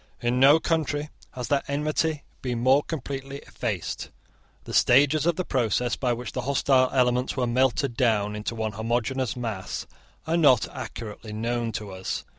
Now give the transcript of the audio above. In no country has that enmity been more completely effaced. The stages of the process by which the hostile elements were melted down into one homogeneous mass are not accurately known to us.